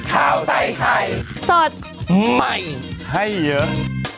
ข้าวใส่ไข่สดใหม่ให้เยอะ